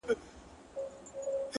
• په درد آباد کي ـ ویر د جانان دی ـ